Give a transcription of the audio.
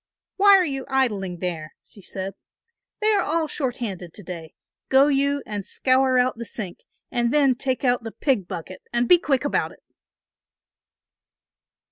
"Why are you idling there?" she said. "They are all short handed to day, go you and scour out the sink and then take out the pig bucket and be quick about it."